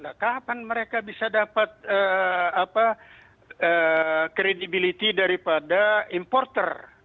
nah kapan mereka bisa dapat credibility daripada importer